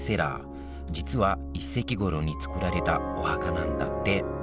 実は１世紀ごろに作られたお墓なんだって。